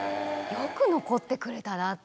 よく残ってくれたなって。